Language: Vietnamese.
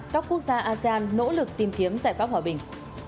các quốc gia asean nỗ lực tìm kiếm giải pháp hòa bình